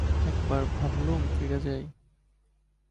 একবার ভাবলুম ফিরে যাই।